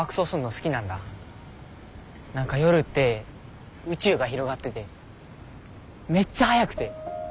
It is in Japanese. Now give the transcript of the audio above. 何か夜って宇宙が広がっててめっちゃ早くて。